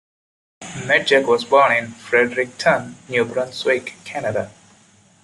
Medjuck was born in Fredericton, New Brunswick, Canada.